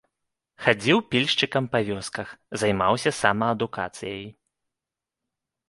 Хадзіў пільшчыкам па вёсках, займаўся самаадукацыяй.